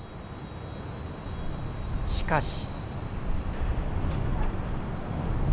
しかし。